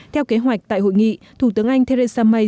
theo kế hoạch tại hội nghị thủ tướng anh theresa may